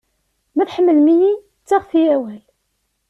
Ma tḥemmlem-iyi, ttaɣet-iyi awal.